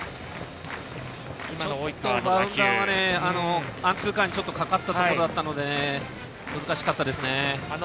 バウンドはアンツーカーにかかったところだったので難しかったですね。